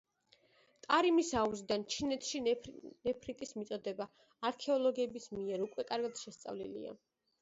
ტარიმის აუზიდან ჩინეთში ნეფრიტის მიწოდება არქეოლოგების მიერ უკვე კარგად შესწავლილია.